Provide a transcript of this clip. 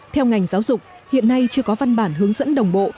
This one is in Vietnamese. theo ngành giáo dục hiện nay chưa có văn bản hướng dẫn đồng bộ